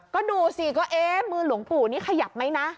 ก็ดูสิก็เอ๊ะมือหลวงปู่นี่ขยับไหมนะ